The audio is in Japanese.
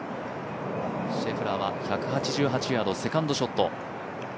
シェフラーは１８８ヤード、セカンドショット。